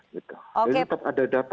jadi tetap ada data